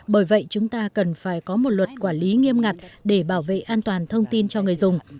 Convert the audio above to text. bởi vậy chúng ta cần phải có một luật quản lý nghiêm ngặt để bảo vệ an toàn thông tin cho người dùng